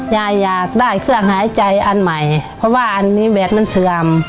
อยากได้เครื่องหายใจอันใหม่เพราะว่าอันนี้แดดมันเสื่อม